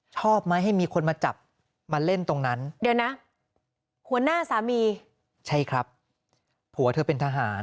ชอบไหมให้มีคนมาจับมาเล่นตรงนั้นเดี๋ยวนะหัวหน้าสามีใช่ครับผัวเธอเป็นทหาร